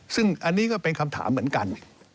ซึ่งอันนี้ก็เป็นคำถามเหมือนกัน